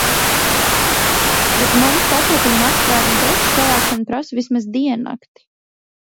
Bet mums pasūtījuma apstrāde un preču savākšana prasa vismaz diennakti.